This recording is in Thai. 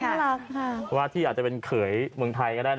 เพราะว่าที่อาจจะเป็นเขยเมืองไทยก็ได้นะ